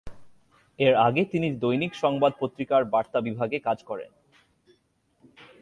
এর আগে তিনি দৈনিক সংবাদ পত্রিকার বার্তা বিভাগে কাজ করেন।